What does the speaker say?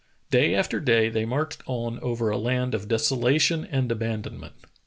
Day after day the}^ marched on over a land of desolation and abandonment.